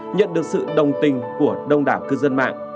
nhận được sự đồng tình của đông đảo cửu